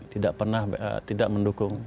tidak pernah tidak mendukung